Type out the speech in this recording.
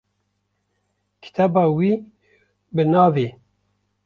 Kitêba wî bi navê